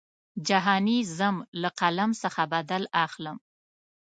جهاني ځم له قلم څخه بدل اخلم.